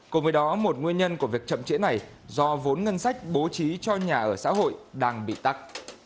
cùng với đó một nguyên nhân của việc chậm trễ này do vốn ngân sách bố trí cho nhà ở xã hội đang bị tắt